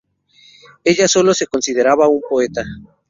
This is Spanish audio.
Ella sólo se consideraba una poeta.